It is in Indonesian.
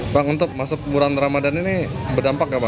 bang untuk bulan ramadan ini berdampak nggak bang